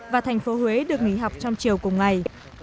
và thành phố huế được nghỉ học trong chiều cùng ngày